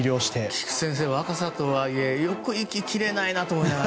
菊地先生、若さとはいえよく息が切れないなと。